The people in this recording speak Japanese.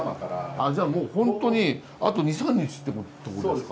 あじゃあもうホントにあと２３日ってところですか。